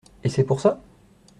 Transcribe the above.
Et c’est pour ça ?…